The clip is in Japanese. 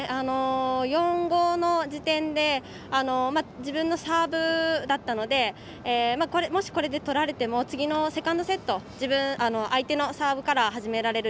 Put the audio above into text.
４−５の時点で自分のサーブだったのでもしこれで取られても次のセカンドセット相手のサーブから始められる。